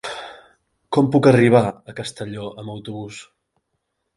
Com puc arribar a Castelló amb autobús?